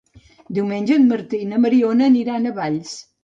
Diumenge en Martí i na Mariona aniran a Valls.